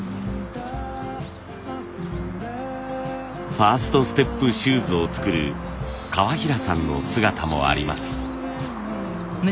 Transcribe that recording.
ファーストステップシューズを作る川平さんの姿もあります。